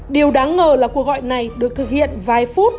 điều đáng ngờ là cuộc gọi này được thực hiện vài phút